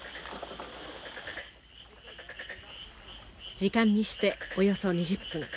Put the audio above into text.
時間にしておよそ２０分。